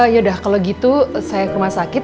yaudah kalau gitu saya ke rumah sakit